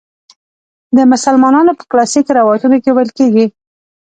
د مسلمانانو په کلاسیکو روایتونو کې ویل کیږي.